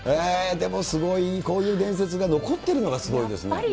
でもいい、すごい、こういう伝説が残ってるのがすごいね。